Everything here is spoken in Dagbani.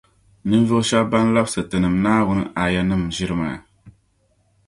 Ninvuɣu shεba ban labsi Tinim’ Naawuni aayanim’ ʒiri maa .